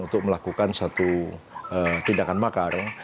untuk melakukan satu tindakan makar